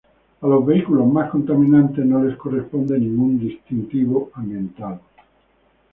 A los vehículos más contaminantes no les corresponde ningún distintivo ambiental.